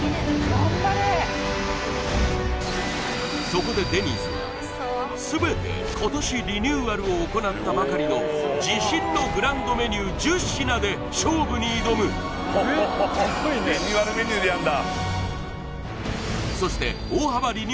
そこでデニーズは全て今年リニューアルを行ったばかりの自信のグランドメニュー１０品で勝負に挑むえっ！